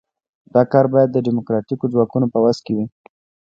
دا کار باید د ډیموکراتیکو ځواکونو په وس کې وي.